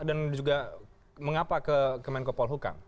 dan mengapa ke kemenkopol hukum